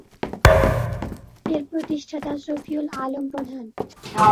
এর প্রতিষ্ঠাতা শফিউল আলম প্রধান।